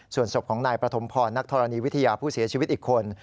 ส่วนศพของนายประถมพรนักธรณีวิทยาผู้เสียชีวิตอีกคน